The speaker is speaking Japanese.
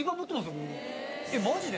えっマジで？